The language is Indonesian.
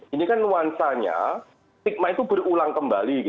ini kan nuansanya stigma itu berulang kembali